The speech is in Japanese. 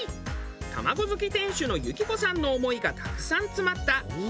卵好き店主の幸子さんの思いがたくさん詰まったひと品。